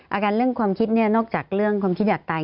อาการเรื่องความคิดเนี่ยนอกจากเรื่องความคิดอยากตาย